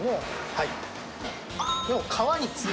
はい。